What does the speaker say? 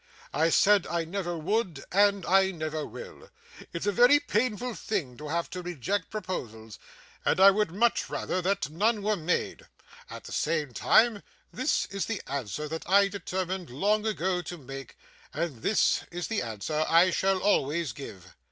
I said I never would, and I never will. It's a very painful thing to have to reject proposals, and I would much rather that none were made; at the same time this is the answer that I determined long ago to make, and this is the answer I shall always give.